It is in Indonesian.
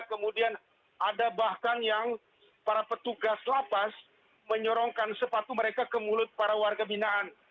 kemudian ada bahkan yang para petugas lapas menyorongkan sepatu mereka ke mulut para warga binaan